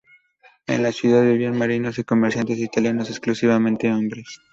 En la ciudad vivían marinos y comerciantes italianos, exclusivamente hombres.